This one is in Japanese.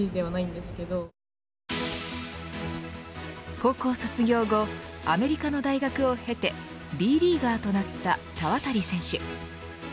高校卒業後アメリカの大学を経てＢリーガーとなった田渡選手。